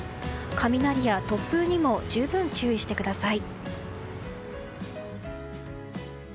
雷や突風にも十分注意してください。